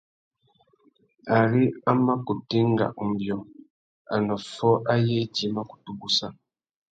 Ari a mà kutu enga umbiô, anôffô ayê idjï i mà kutu gussa.